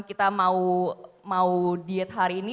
kita mau diet hari ini